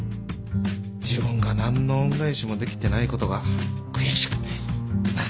自分が何の恩返しもできてないことが悔しくて情けなくて